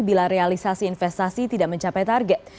bila realisasi investasi tidak mencapai target